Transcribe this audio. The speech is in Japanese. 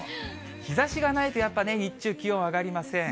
日ざしがないとやっぱりね、日中、気温上がりません。